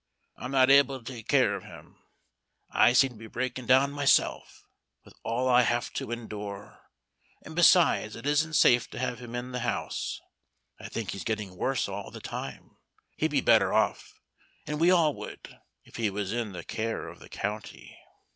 I'm not able to take care of him I seem to be breaking down myself, with all I have to endure, and besides it isn't safe to have him in the house. I think he's getting worse all the time. He'd be better off, and we all would, if he was in the care of the county."